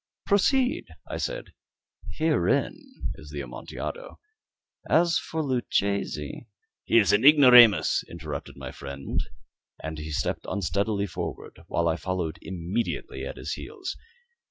"Proceed," I said; "herein is the Amontillado. As for Luchesi " "He is an ignoramus," interrupted my friend, as he stepped unsteadily forward, while I followed immediately at his heels.